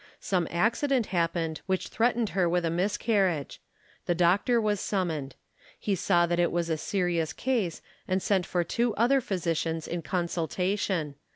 Some accident hap pened which threatened her with a miscarriage. The doctor was summoned. He saw that it was a serious case and sent for two other physicians in consultation.